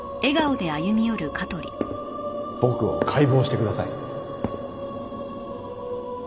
僕を解剖してください。